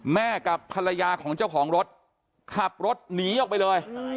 กับภรรยาของเจ้าของรถขับรถหนีออกไปเลย